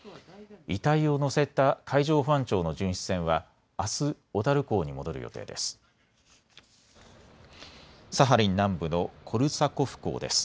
遺体を乗せた海上保安庁の巡視船はあす小樽港に戻る予定です。